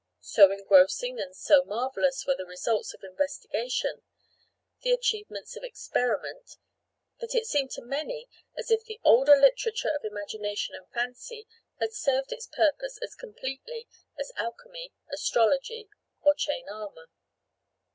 So engrossing and so marvellous were the results of investigation, the achievements of experiment, that it seemed to many as if the older literature of imagination and fancy had served its purpose as completely as alchemy, astrology, or chain armour.